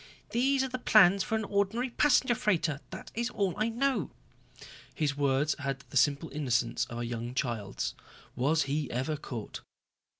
"These are the plans for an ordinary passenger freighter, that is all I know." His words had the simple innocence of a young child's. Was he ever caught.